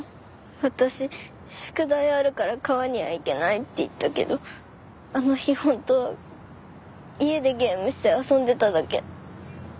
私宿題あるから川には行けないって言ったけどあの日本当は家でゲームして遊んでただけ。